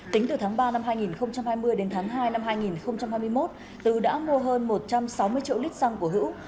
tính từ tháng ba năm hai nghìn hai mươi đến tháng hai năm hai nghìn hai mươi một tứ đã mua hơn một trăm sáu mươi triệu lít xăng của hữu